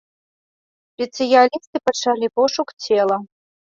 Спецыялісты пачалі пошук цела.